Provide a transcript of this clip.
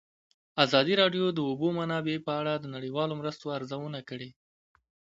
ازادي راډیو د د اوبو منابع په اړه د نړیوالو مرستو ارزونه کړې.